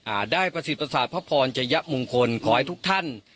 ได้ประสิทธิประสาทพระพรจะยะมงคลขอให้ทุกท่าน